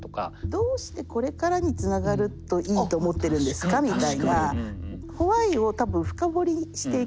どうしてこれからにつながるといいと思ってるんですかみたいな。